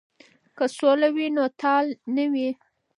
که سوله وي نو تال نه وي.